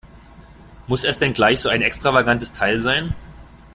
Muss es denn gleich so ein extravagantes Teil sein?